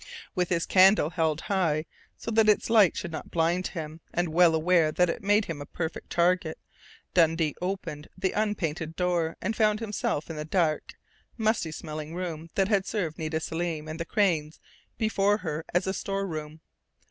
With his candle held high, so that its light should not blind him, and well aware that it made him a perfect target, Dundee opened the unpainted door and found himself in the dark, musty smelling room that had served Nita Selim and the Crains before her as a storeroom.